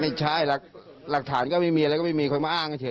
ไม่ใช่ละหลักฐานก็ไม่มีอะไรไปมีเลยมาอ้างก็เฉยนะ